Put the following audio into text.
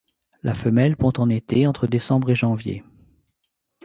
La femelle pond en été entre décembre et janvier.